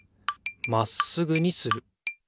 まっすぐにする。